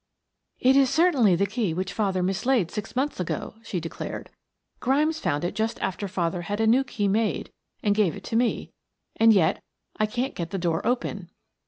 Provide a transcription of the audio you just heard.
"It is certainly the key which father mislaid six months ago," she declared. "Grimes found it just after father had a new key made and gave it to me. And yet I can't get the door open."